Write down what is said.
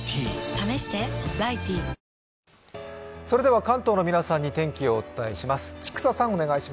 それでは関東の皆さんに天気をお伝えします。